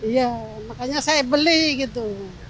iya makanya saya beli gitu